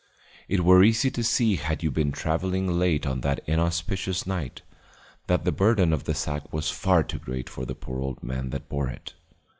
It were easy to see had you been travelling late on that inauspicious night, that the burden of the sack was far too great for the poor old man that bore it.